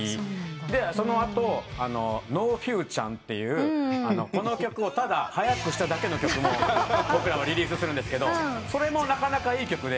でその後『ノーフューちゃん』というこの曲をただ速くしただけの曲も僕らはリリースするんですがそれもなかなかいい曲で。